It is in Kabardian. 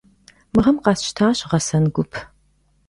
Мы гъэм къэсщтащ гъэсэн гуп.